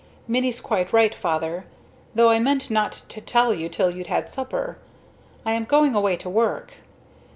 "Minnie's quite right, Father, though I meant not to tell you till you'd had supper. I am going away to work."